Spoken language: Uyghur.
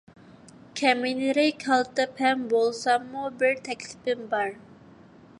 كەمىنىلىرى كالتە پەم بولساممۇ بىر تەكلىپىم بار.